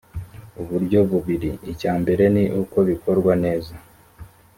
uburyo bubiri icya mbere ni uko bikorwa neza